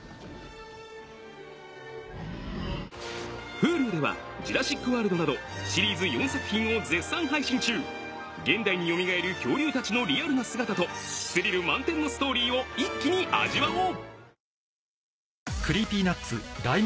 Ｈｕｌｕでは『ジュラシック・ワールド』など現代によみがえる恐竜たちのリアルな姿とスリル満点のストーリーを一気に味わおう！